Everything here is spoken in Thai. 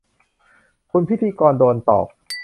คุณพิธีกรโดนตอก